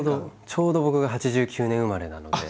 ちょうど僕が８９年生まれなので。